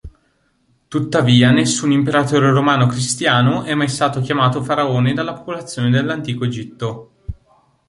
Tuttavia nessun Imperatore romano cristiano è mai stato chiamato faraone dalla popolazione dell'antico Egitto.